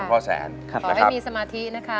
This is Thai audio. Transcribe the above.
ขอให้มีสมาธินะคะ